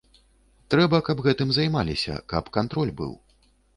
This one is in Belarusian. Трэба, каб гэтым займаліся, каб кантроль быў.